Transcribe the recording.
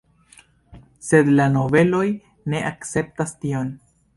Sed la nobeloj ne akceptas tion.